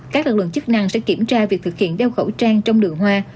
các lực lượng chức năng sẽ kiểm tra việc thực hiện đeo khẩu trang trong đường hoa